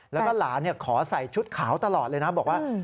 แล้วก็หลานขอใส่ชุดขาวตลอดเลยนะบอกว่า